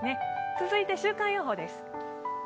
続いて週間予報です。